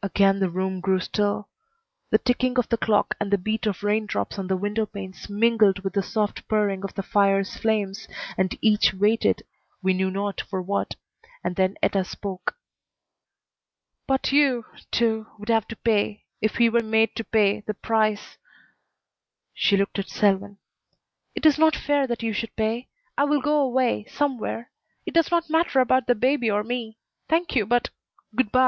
Again the room grew still. The ticking of the clock and the beat of raindrops on the windowpanes mingled with the soft purring of the fire's flames, and each waited, we knew not for what; and then Etta spoke. "But you, too, would have to pay if he were made to pay the price." She looked at Selwyn. "It is not fair that you should pay. I will go away somewhere. It does not matter about the baby or me. Thank you, but Good by.